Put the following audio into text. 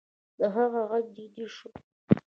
د هغه غږ جدي شو